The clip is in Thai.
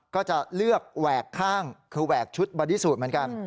ก็จะเลือกแหวกข้างคือแหวกชุดบอดี้สูตรเหมือนกัน